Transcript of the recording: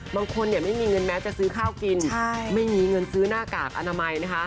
ไม่มีเงินแม้จะซื้อข้าวกินไม่มีเงินซื้อหน้ากากอนามัยนะคะ